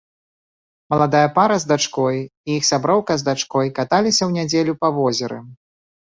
Маладая пара з дачкой і іх сяброўка з дачкой каталіся ў нядзелю па возеры.